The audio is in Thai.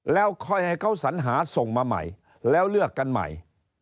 แล้วค่อยให้เขาสัญหาส่งมาใหม่แล้วเลือกกันใหม่